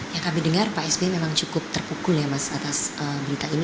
yang kami dengar pak sby memang cukup terpukul ya mas atas berita ini